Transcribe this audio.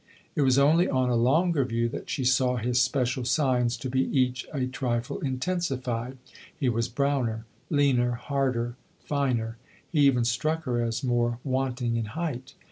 It was only on a longer view that she saw his special signs to_ be each a trifle intensified. He was browner, leaner, harder, finer ; he even struck her as more wanting in height.